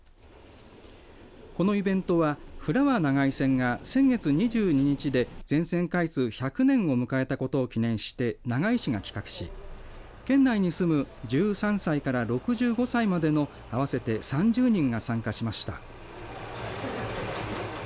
このイベントはフラワー長井線が先月２２日で全線開通１００年を迎えたことを記念して長井市が企画し県内に住む１３歳から６５歳までの合わせて３０人が参加しました。